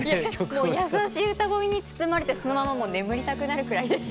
もう優しい歌声に包まれてそのまま眠りたくなるくらいです。